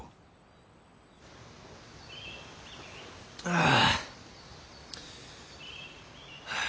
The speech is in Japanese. ああ。